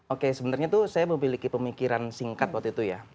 oke sebenarnya itu saya memiliki pemikiran singkat waktu itu ya